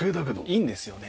いいんですよね。